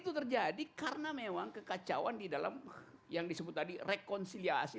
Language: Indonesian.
itu terjadi karena memang kekacauan di dalam yang disebut tadi rekonsiliasi